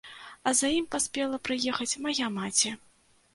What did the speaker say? А за ім паспела прыехаць мая маці.